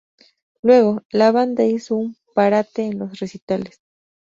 Luego, la banda hizo un parate en los recitales.